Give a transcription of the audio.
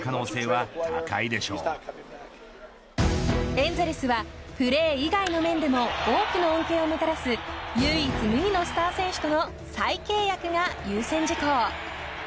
エンゼルスはプレー以外の面でも多くの恩恵をもたらす唯一無二のスター選手との再契約が優先事項。